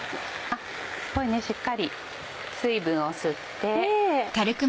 これしっかり水分を吸って。